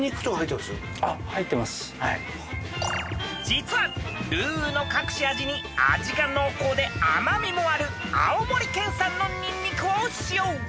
［実はルーの隠し味に味が濃厚で甘味もある青森県産のニンニクを使用］